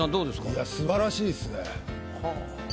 いや素晴らしいですね。